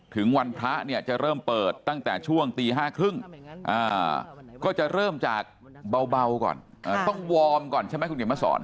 ถึงวันพระเนี่ยจะเริ่มเปิดตั้งแต่ช่วงตี๕๓๐ก็จะเริ่มจากเบาก่อนต้องวอร์มก่อนใช่ไหมคุณเขียนมาสอน